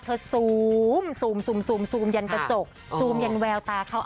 ซูมยันกระจกซูมยันแววตาเขา